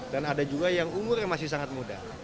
dan ada juga yang umur yang masih sangat muda